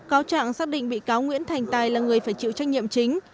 cáo trạng xác định bị cáo nguyễn thành tài là người phải chịu trách nhiệm chính